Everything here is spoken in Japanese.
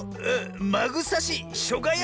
「まぐさし」「しょがや」？